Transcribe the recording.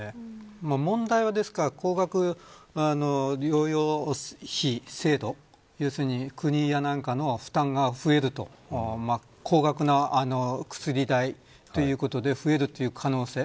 問題は高額療養費制度要するに国や何かの負担が増えると高額な薬代ということで増える可能性。